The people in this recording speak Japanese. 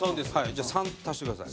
じゃあ３足してください。